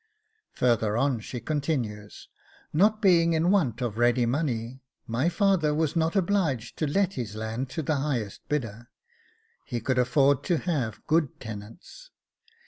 Further on she continues: 'Not being in want of ready money, my father was not obliged to let his land to the highest bidder. He could afford to have good tenants.